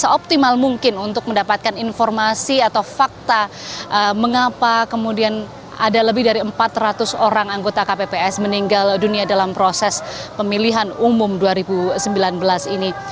seoptimal mungkin untuk mendapatkan informasi atau fakta mengapa kemudian ada lebih dari empat ratus orang anggota kpps meninggal dunia dalam proses pemilihan umum dua ribu sembilan belas ini